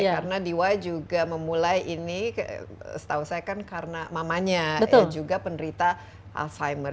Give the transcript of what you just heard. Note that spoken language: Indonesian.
karena di wai juga memulai ini setahu saya kan karena mamanya ya juga penderita alzheimer